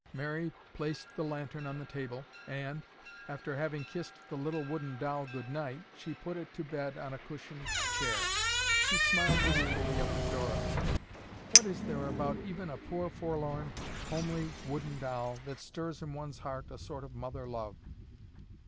Mary placed the lantern on the table, and, after having kissed the little wooden doll good night, she put it to bed on a cushioned chair. She smiled wistfully up at Dora. "What is there about even a poor forlorn homely wooden doll that stirs in one's heart a sort of mother love?"